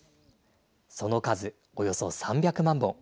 その数、およそ３００万本。